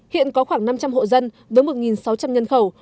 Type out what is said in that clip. hiện có khoảng năm trăm linh hộ dân với một sáu trăm linh nhân khẩu